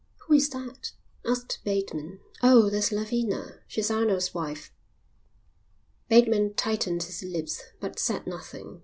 "Who is that?" asked Bateman. "Oh, that's Lavina. She's Arnold's wife." Bateman tightened his lips, but said nothing.